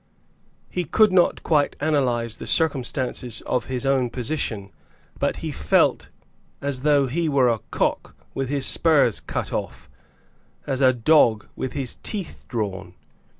He could not quite analyze the circumstances of his own position, but he felt as though he were a cock with his spurs cut off, as a dog with his teeth drawn.